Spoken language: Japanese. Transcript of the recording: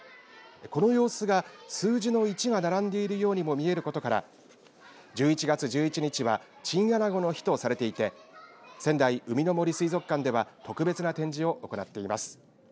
この様子が数字の１が並んでいるようにも見えることから１１月１１日はチンアナゴの日とされていて仙台うみの杜水族館では特別な展示を行っています。